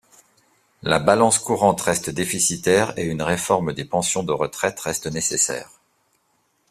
La balance courante reste déficitaire et une réforme des pensions de retraite reste nécessaire.